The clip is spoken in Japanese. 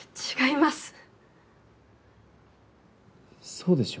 そうでしょ？